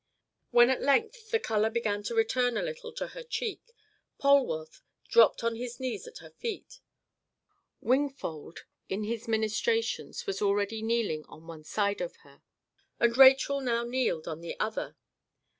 When at length the colour began to return a little to her cheek, Polwarth dropped on his knees at her feet. Wingfold in his ministrations was already kneeling on one side of her, and Rachel now kneeled on the other.